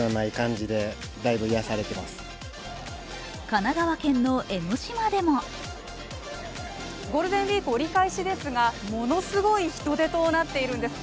神奈川県の江の島でもゴールデンウイーク折り返しですが、ものすごい人出となっているんです。